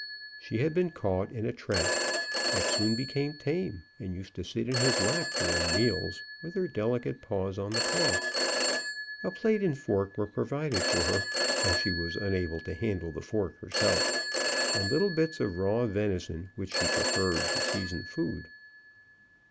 She had been caught in a trap, but soon became tame, and used to sit in his lap during meals, with her delicate paws on the cloth. A plate and fork were provided for her, though she was unable to handle the fork herself; and little bits of raw venison, which she preferred to seasoned food.